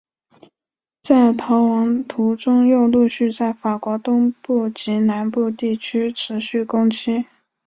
在逃亡途中又陆续在法国东北部及南部地区持续攻击。